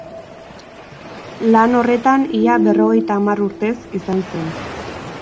Lan horretan ia berrogeita hamar urtez izan zen.